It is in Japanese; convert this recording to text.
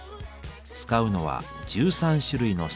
使うのは１３種類のスパイス。